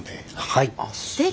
はい。